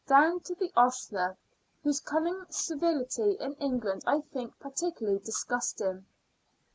down to the ostler, whose cunning servility in England I think particularly disgusting.